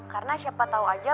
karena siapa tahu aja